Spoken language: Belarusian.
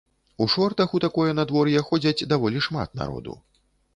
У шортах у такое надвор'е ходзяць даволі шмат народу.